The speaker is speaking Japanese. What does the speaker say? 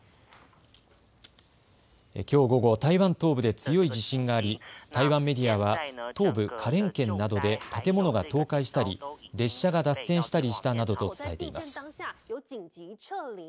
きょう午後、台湾東部で強い地震があり台湾メディアは東部花蓮県などで建物が倒壊したり列車が脱線したりしたなどと伝えています。